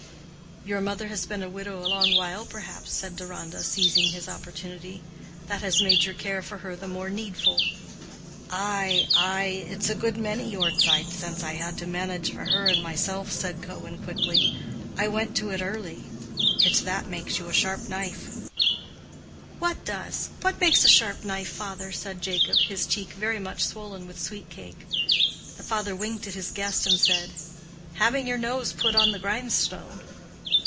"Your mother has been a widow a long while, perhaps," said Deronda, seizing his opportunity. "That has made your care for her the more needful." "Ay, ay, it's a good many yore zeit since I had to manage for her and myself," said Cohen quickly. "I went early to it. It's that makes you a sharp knife." "What does—what makes a sharp knife, father?" said Jacob, his cheek very much swollen with sweet cake. The father winked at his guest and said, "Having your nose put on the grindstone."